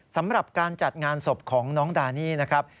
สำหรับการจัดงานศพของน้องดานี่นะครับ